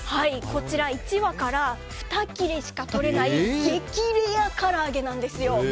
こちら、１羽から２切れしか取れない激レアから揚げなんですよ。